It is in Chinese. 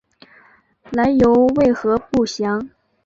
来由为何不详。